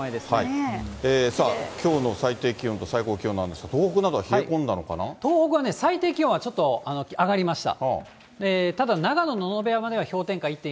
神割崎、きょうの最低気温と最高気温なんですが、東北などは冷え込んだ東北は最低気温はちょっと上がりました。